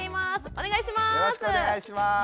お願いします。